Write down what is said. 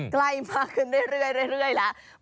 ใกล้มากขึ้นเรื่อยแล้ว